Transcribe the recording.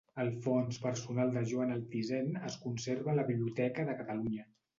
El fons personal de Joan Altisent es conserva a la Biblioteca de Catalunya.